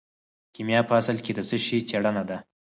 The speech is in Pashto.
کیمیا په اصل کې د څه شي څیړنه ده.